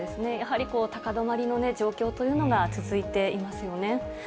やはり高止まりの状況というのが続いていますよね。